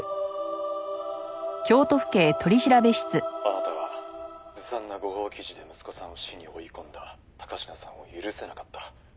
「あなたはずさんな誤報記事で息子さんを死に追い込んだ高階さんを許せなかった」